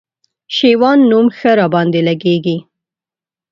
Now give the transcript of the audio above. شېوان نوم ښه راباندي لګېږي